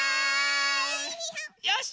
よし！